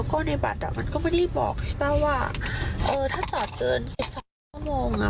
กับค่าที่จอดรถนะคะนั่งเมื่อน๔